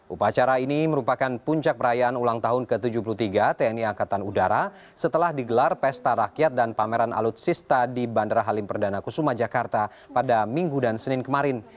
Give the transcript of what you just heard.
upacara ini merupakan puncak perayaan ulang tahun ke tujuh puluh tiga tni angkatan udara setelah digelar pesta rakyat dan pameran alutsista di bandara halim perdana kusuma jakarta pada minggu dan senin kemarin